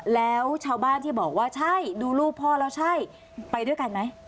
แล้วชาวบ้านที่บอกว่าใช่ดูรูปพ่อแล้วใช่ไปด้วยกันไหม